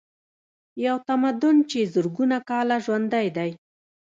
یو تمدن چې زرګونه کاله ژوندی دی.